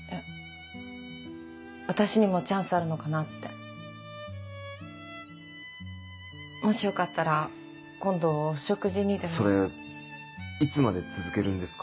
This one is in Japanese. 私にもチャンスあるのかなってもしよかったら今度お食事にでもそれいつまで続けるんですか？